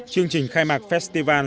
chương trình khai mạc festival